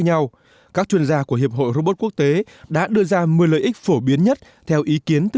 nhau các chuyên gia của hiệp hội robot quốc tế đã đưa ra một mươi lợi ích phổ biến nhất theo ý kiến từ